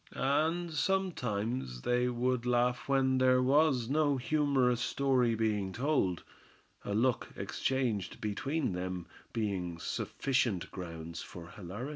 And sometimes they would laugh when there was no humorous story being told; a look exchanged between them being sufficient grounds for hilarity.